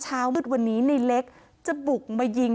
เช้ามืดวันนี้ในเล็กจะบุกมายิง